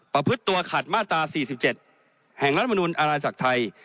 ประพฤติตัวขัดมาตรา๔๗แห่งรัฐมนุนอาณาจักรไทย